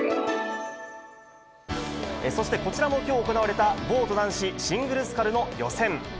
そしてこちらもきょう行われたボート男子シングルスカルの予選。